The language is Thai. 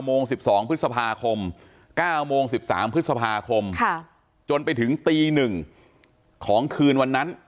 โมง๑๒พฤษภาคม๙โมง๑๓พฤษภาคมจนไปถึงตี๑ของคืนวันนั้น